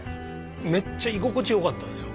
めっちゃ居心地良かったですよ